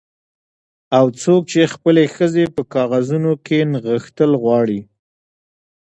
او څوک چې خپلې ښځې په کاغذونو کې نغښتل غواړي